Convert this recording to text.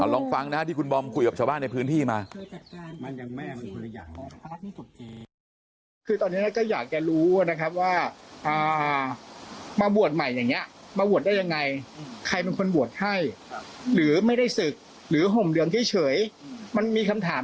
เออเอาลองฟังนะครับที่คุณบอร์มคุยกับชาวบ้านในพื้นที่มา